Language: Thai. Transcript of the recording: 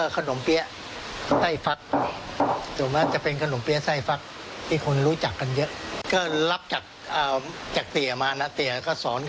กันมาก็ดั้งเดิมของที่ร้านนี้เองอ่ะตั้งแต่ตั้งแต่ประมาณสักสี่ห้าหกสิบปีแล้ว